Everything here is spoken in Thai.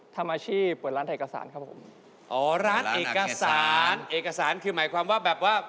ทำอาชีพเปิดร้านไทยกษานครับผม